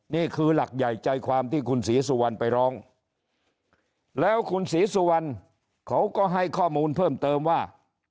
นี่คือหลักใหญ่ใจความที่คุณศรีสุวรรณไปร้องแล้วคุณศรีสุวรรณเขาก็ให้ข้อมูลเพิ่มเติมว่า